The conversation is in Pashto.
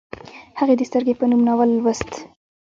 هغې د سترګې په نوم ناول لوست